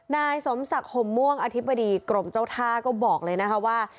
นายสมศักดิ์ห่มม่วงอธิบดีกรมเจ้าท่าก็บอกเลยนะคะว่า